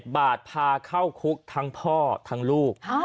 บาทพาเข้าคุกทั้งพ่อทั้งลูก